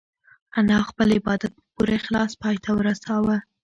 انا خپل عبادت په پوره اخلاص پای ته ورساوه.